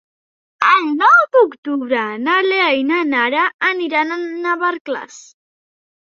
El nou d'octubre na Lea i na Nara aniran a Navarcles.